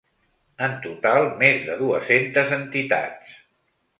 En total, més de dues-centes entitats.